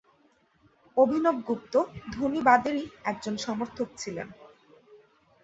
অভিনবগুপ্ত ধ্বনিবাদেরই একজন সমর্থক ছিলেন।